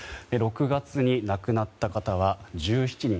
６月に亡くなった方は１７人。